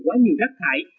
quá nhiều rác thải